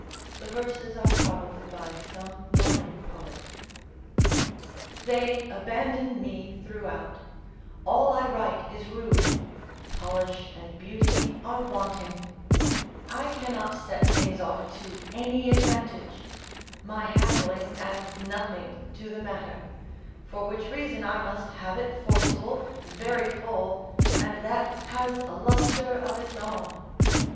The verses are probably by some modern poet.] They abandon me throughout; all I write is rude; polish and beauty are wanting: I cannot set things off to any advantage; my handling adds nothing to the matter; for which reason I must have it forcible, very full, and that has lustre of its own.